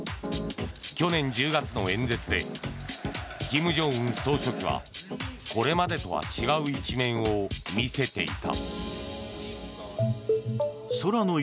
去年１０月の演説で金正恩総書記はこれまでとは違う一面を見せていた。